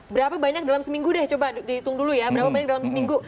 berapa banyak dalam seminggu deh coba dihitung dulu ya berapa banyak dalam seminggu